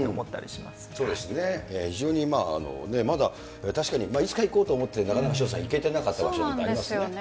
そうですよね、非常にまだ確かに、いつか行こうと思ってて、なかなか潮田さん、行けてなかった場所とかありますよね。